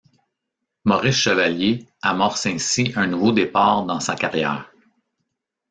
Maurice Chevalier amorce ainsi un nouveau départ dans sa carrière.